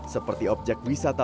seperti objek wisatawan